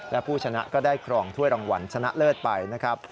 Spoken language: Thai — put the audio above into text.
และผู้ชนะก็ได้ครองถ้วยรางวัลชนะเลิศไปนะครับ